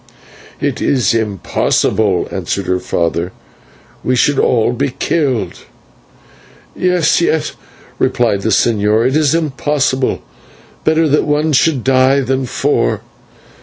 "It is impossible," answered her father. "We should all be killed." "Yes, yes," repeated the señor, "it is impossible. Better that one should die than four."